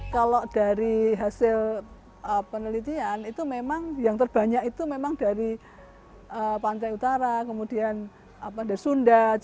kalau dari hasil penelitian yang terbanyak itu memang dari pantai utara sunda cirebon semarang jawa timur madura